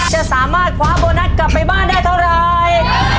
จะสามารถคว้าโบนัสกลับไปบ้านได้เท่าไร